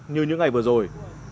như những ngày vừa rồi